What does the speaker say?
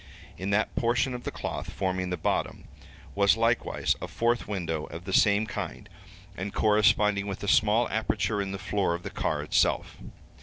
In that portion of the cloth forming the bottom, was likewise, a fourth window, of the same kind, and corresponding with a small aperture in the floor of the car itself.